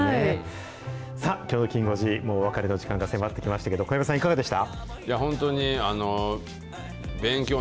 さあ、きょうのキン５時、もうお別れの時間が迫ってきましたけど、小籔さん、いかがでした？